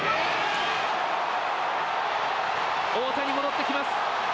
大谷、戻ってきます。